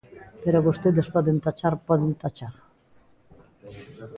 Pero vostedes poden tachar, poden tachar.